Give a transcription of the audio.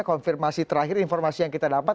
konfirmasi terakhir informasi yang kita dapat